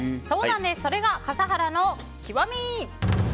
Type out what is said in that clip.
それが笠原の極み。